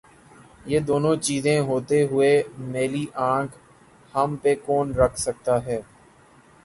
یہ دونوں چیزیں ہوتے ہوئے میلی آنکھ ہم پہ کون رکھ سکتاہے؟